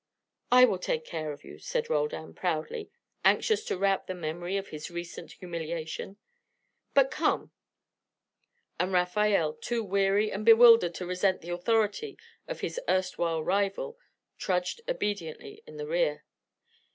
"I will take care of you," said Roldan, proudly, anxious to rout the memory of his recent humiliation. "But come." And Rafael, too weary and bewildered to resent the authority of his erst while rival, trudged obediently in the rear.